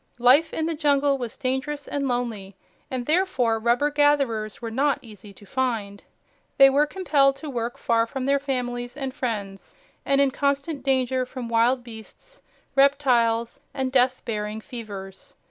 Life in the jungle was dangerous and lonely, and therefore rubber gatherers were not easy to find. They were compelled to work far from their families and friends, and in constant danger from wild beasts, reptiles and death bearing fevers.